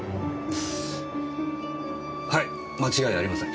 はい間違いありません。